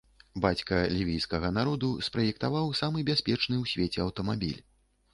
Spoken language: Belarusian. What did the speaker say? Бацька лівійскага народу спраектаваў самы бяспечны ў свеце аўтамабіль.